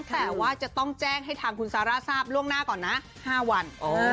แต่ว่าจะต้องแจ้งให้ทางคุณซาร่าทราบล่วงหน้าก่อนนะ๕วัน